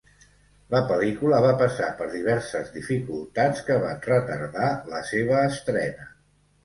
La pel·lícula va passar per diverses dificultats que van retardar la seva estrena.